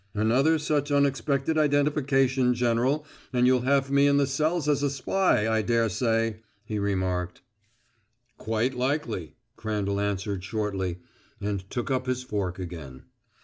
"Another such unexpected identification, General, and you'll have me in the cells as a spy, I dare say," he remarked. "Quite likely," Crandall answered shortly, and took up his fork again.